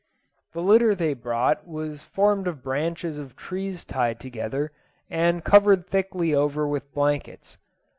"The litter they brought was formed of branches of trees tied together, and covered thickly over with blankets.